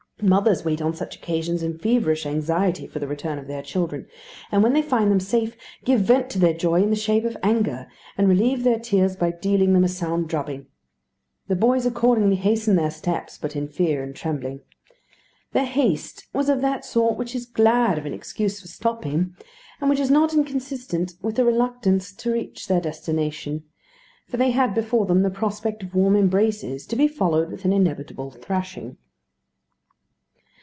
Mothers wait on such occasions in feverish anxiety for the return of their children, and when they find them safe, give vent to their joy in the shape of anger, and relieve their tears by dealing them a sound drubbing. The boys accordingly hastened their steps, but in fear and trembling. Their haste was of that sort which is glad of an excuse for stopping, and which is not inconsistent with a reluctance to reach their destination; for they had before them the prospect of warm embraces, to be followed with an inevitable thrashing.